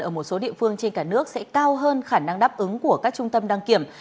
ở một số địa phương trên cả nước sẽ cao hơn khả năng đáp ứng của các trung tâm đăng kiểm